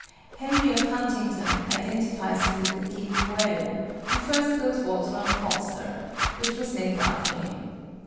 Henry of Huntingdon identifies him with the King Coël who first built walls round Colchester, which was named after him.